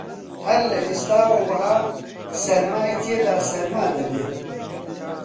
هەر لە ئێستاوە وەها سەرمای تێدا سەرما دەبێ